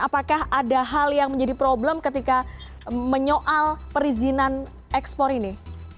apakah ada hal yang menjadi problem ketika menyoal perizinan ekspor ini